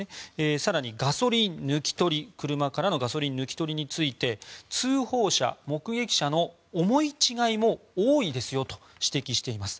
更に、車からのガソリン抜き取りについて通報者、目撃者の思い違いも多いですよと指摘しています。